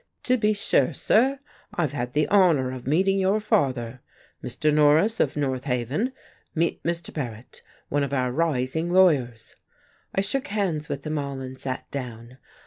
"To be sure, sir. I've had the honour of meeting your father. Mr. Norris, of North Haven, meet Mr. Paret one of our rising lawyers..." I shook hands with them all and sat down.